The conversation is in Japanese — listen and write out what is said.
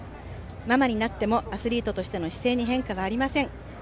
ママになってもアスリートとしての姿勢に変化はありません。